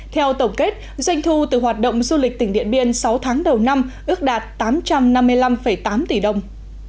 theo tổng kết doanh thu từ hoạt động du lịch tỉnh điện biên sáu tháng đầu năm ước đạt tám trăm năm mươi năm tám tỷ đồng